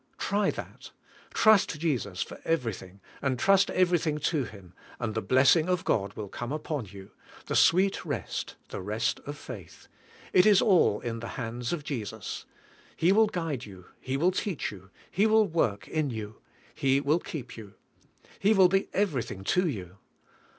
Try that; trust Jesus for everything, and trust every thing to Him, and the blessing of God will come upon you — the sweet rest, the rest of faith. It is all in the hands of Jesus; He will guide you; He will teach you ; He will work in you ; He will keep you ; He will be everything to you.